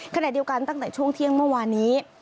ขณะเดียวกันตั้งแต่ช่วงเที่ยงเมื่อวานนี้